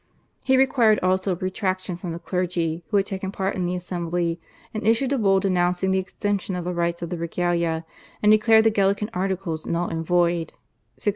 He required also a retraction from the clergy who had taken part in the Assembly, and issued a Bull denouncing the extension of the rights of the /Regalia/ and declaring the Gallican Articles null and void (1690).